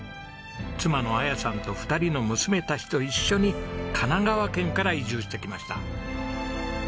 妻の彩さんと２人の娘たちと一緒に神奈川県から移住してきました。